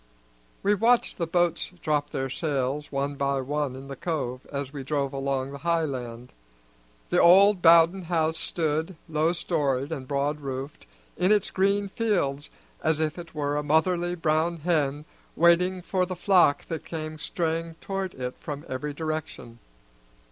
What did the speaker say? We watched the boats drop their sails one by one in the cove as we drove along the high land. The old Bowden house stood, low storied and broad roofed, in its green fields as if it were a motherly brown hen waiting for the flock that came straying toward it from every direction.